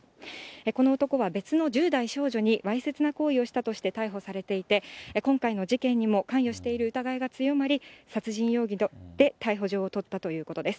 この男は別の１０代少女にわいせつな行為をしたとして逮捕されていて、今回の事件にも関与している疑いが強まり、殺人容疑で逮捕状を取ったということです。